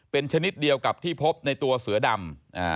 เป็นชนิดเดียวกับที่พบในตัวเสือดำ